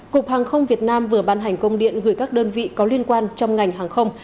cục hàng không việt nam vừa ban hành công điện gửi các đơn vị có liên quan trong ngành hàng không